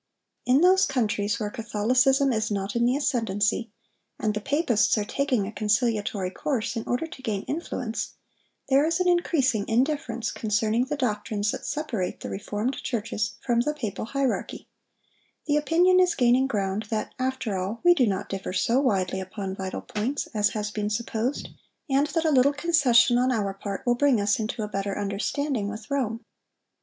In those countries where Catholicism is not in the ascendency, and the papists are taking a conciliatory course in order to gain influence, there is an increasing indifference concerning the doctrines that separate the reformed churches from the papal hierarchy; the opinion is gaining ground, that, after all, we do not differ so widely upon vital points as has been supposed, and that a little concession on our part will bring us into a better understanding with Rome.